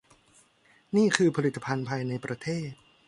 นี่คือผลิตภัณฑ์ภายในประเทศ